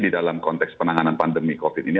di dalam konteks penanganan pandemi covid ini